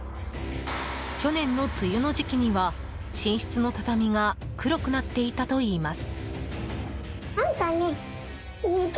去年の梅雨の時期には寝室の畳が黒くなっていたといいます。